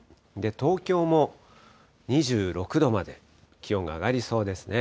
東京も２６度まで気温が上がりそうですね。